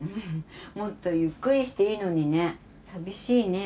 もっとゆっくりしていいのにね。